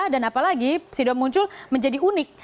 dan apalagi sido muncul menjadi unik